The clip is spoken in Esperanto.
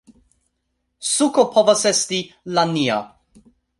Suko povas esti la nia